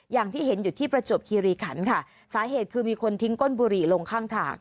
อย่างที่เห็นอยู่ที่ประจวบคีรีขันค่ะสาเหตุคือมีคนทิ้งก้นบุหรี่ลงข้างทาง